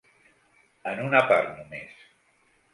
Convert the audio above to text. En una part només.